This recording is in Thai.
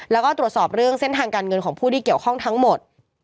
แล้วก็ตรวจสอบเรื่องเส้นทางการเงินของผู้ที่เกี่ยวข้องทั้งหมด